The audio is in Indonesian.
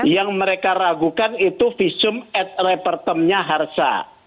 yang mereka ragukan itu visum et repertumnya harsa